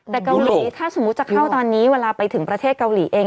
แต่เกาหลีถ้าสมมุติจะเข้าตอนนี้เวลาไปถึงประเทศเกาหลีเอง